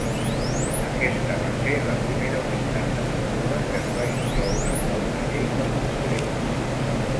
Aquesta va ser la primera unitat de mesura que es va incloure a una llei del Congrés.